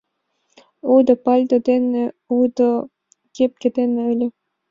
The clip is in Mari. Лудо пальто дене, лудо кепке дене ыле!